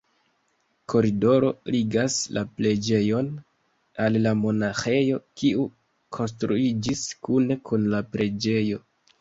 Koridoro ligas la preĝejon al la monaĥejo, kiu konstruiĝis kune kun la preĝejo.